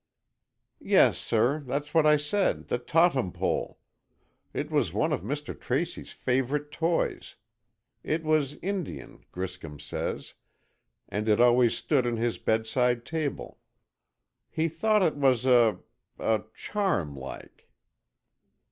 "Yes, sir, that's what I said, the Tottum Pole. It was one of Mr. Tracy's favourite toys. It was Indian, Griscom says, and it always stood on his bedside table. He thought it was a—a charm, like."